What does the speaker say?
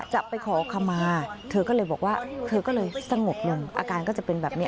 จะไปขอคำมาเธอก็เลยบอกว่าเธอก็เลยสงบลงอาการก็จะเป็นแบบนี้